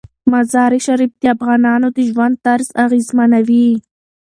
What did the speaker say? مزارشریف د افغانانو د ژوند طرز اغېزمنوي.